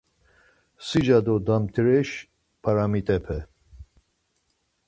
Sica do damtireş p̌aramitepe